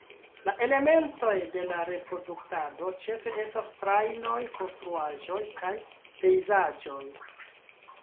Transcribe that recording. La elementoj de la reproduktado ĉefe estas trajnoj, konstruaĵoj kaj pejzaĝoj.